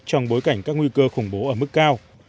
trong bối cảnh các nguy cơ khủng bố ở mức cao